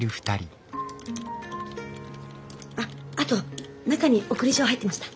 あっあと中に送り状入ってました。